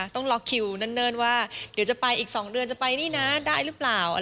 ต้องรอกคิวนั่นว่าอีกสองเดือนจะไปแน่นี้นะได้หรือเปล่า